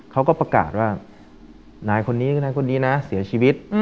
เขาก็ประกาศว่านายคนนี้คือนายคนนี้นะเสียชีวิต